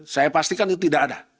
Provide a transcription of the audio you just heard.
saya pastikan itu tidak ada